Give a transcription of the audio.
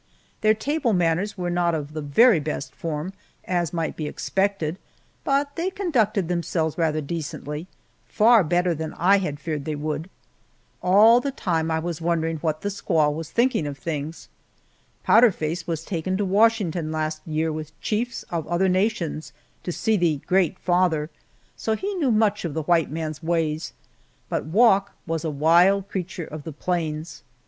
Their table manners were not of the very best form, as might be expected, but they conducted themselves rather decently far better than I had feared they would. All the time I was wondering what that squaw was thinking of things! Powder Face was taken to Washington last year with chiefs of other nations to see the "Great Father," so he knew much of the white man's ways, but Wauk was a wild creature of the plains.